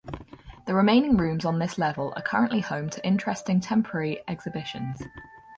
The remaining rooms on this level are currently home to interesting temporary exhibitions.